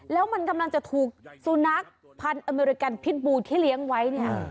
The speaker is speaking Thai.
แล้วมันกำลังจะถูกสุนัขพันธุ์อเมริกันพิษบูที่เลี้ยงไว้เนี่ย